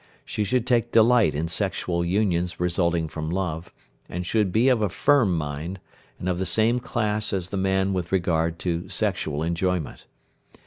She should take delight in sexual unions resulting from love, and should be of a firm mind, and of the same class as the man with regard to sexual enjoyment.